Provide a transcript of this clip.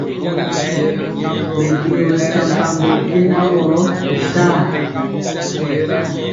Meligɔ bɛsampambɔ biena gɔ y saa.